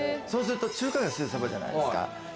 そうすると中華街、すぐそばじゃないですか。